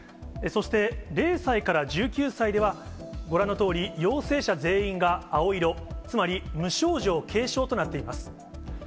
そして、０歳から１９歳では、ご覧のとおり、陽性者全員が青色、つまり、無症状・軽症となっています。